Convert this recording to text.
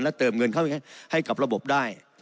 เติมเงินเข้าให้กับระบบได้